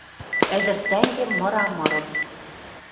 Ӹдӹр тӓнгем мыра мырым